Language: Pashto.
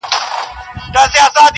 له دوو غټو ښکلیو سترګو!!